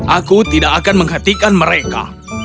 aku tidak akan menghentikan mereka